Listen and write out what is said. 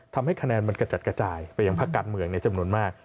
ทำให้คะแนนมันกระจัดกระจายไปอย่างภาคการเมืองในจำนวนมาก